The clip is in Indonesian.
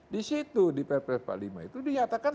di situ di perpres empat puluh lima itu dinyatakan